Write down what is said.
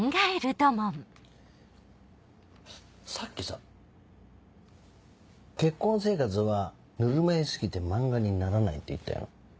さっきさ結婚生活はぬるま湯過ぎて漫画にならないって言ったよな？